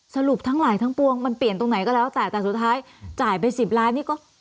สรุปทั้งหลายทั้งปวงมันเปลี่ยนตรงไหนก็แล้วแต่แต่สุดท้ายจ่ายไป๑๐ล้านนี่ก็